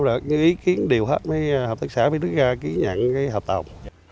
nhưng ý kiến đều hết với hợp tác xã với nước gà ký nhận hợp tàu